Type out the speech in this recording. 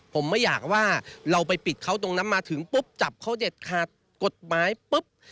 ผมไม่อยากว่าเราไปปิดเขาตรงนั้นมาถึงปุ๊บจับเขาเด็ดขาดกฎหมายปุ๊บ